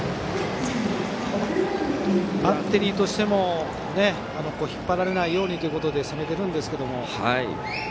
バッテリーとしても引っ張られないようにということで攻めていますが。